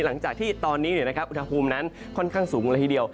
หลังจากที่ตอนนี้อุณหภูมินั้นค่อนข้างสูงละทีเดียว